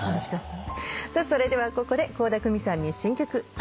それではここで倖田來未さんに。